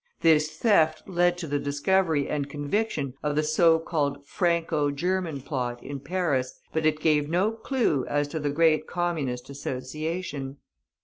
This theft led to the discovery and conviction of the so called Franco German plot, in Paris, but it gave no clue as to the great Communist Association.